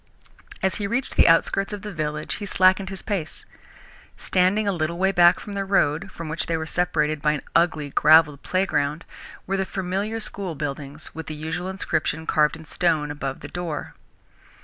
As he reached the outskirts of the village he slackened his pace. Standing a little way back from the road, from which they were separated by an ugly, gravelled playground, were the familiar school buildings, with the usual inscription carved in stone above the door.